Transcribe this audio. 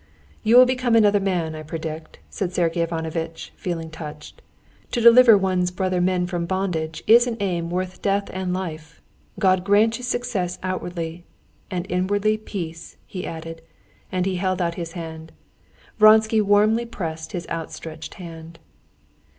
"You will become another man, I predict," said Sergey Ivanovitch, feeling touched. "To deliver one's brother men from bondage is an aim worth death and life. God grant you success outwardly—and inwardly peace," he added, and he held out his hand. Vronsky warmly pressed his outstretched hand.